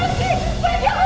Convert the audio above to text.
pergi pergi pergi pergi